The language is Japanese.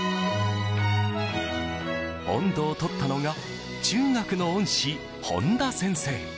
音頭を取ったのが中学の恩師・本田先生。